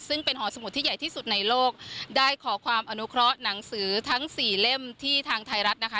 ซึ่งเป็นหอสมุดที่ใหญ่ที่สุดในโลกได้ขอความอนุเคราะห์หนังสือทั้งสี่เล่มที่ทางไทยรัฐนะคะ